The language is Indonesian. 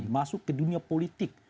masuk ke dunia politik